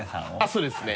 そうですね。